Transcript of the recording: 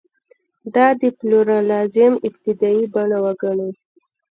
دا د پلورالېزم ابتدايي بڼه وګڼو.